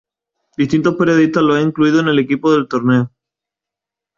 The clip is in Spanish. Distintos periodistas lo han incluido en el Equipo del Torneo.